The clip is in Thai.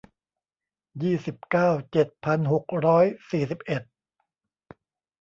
ยี่สิบเก้า เจ็ดพันหกร้อยสี่สิบเอ็ด